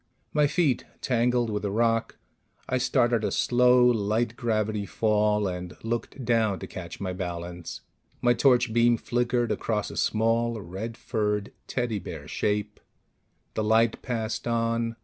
My feet tangled with a rock. I started a slow, light gravity fall, and looked down to catch my balance. My torch beam flickered across a small, red furred teddy bear shape. The light passed on.